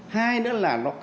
hai nữa là nó nhận ra